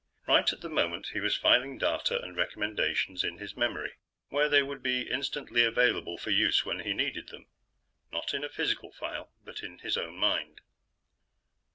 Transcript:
Right at the moment, he was filing data and recommendations in his memory, where they would be instantly available for use when he needed them. Not in a physical file, but in his own mind.